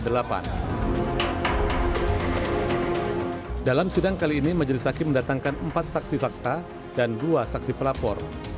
dalam sidang kali ini majelis hakim mendatangkan empat saksi fakta dan dua saksi pelapor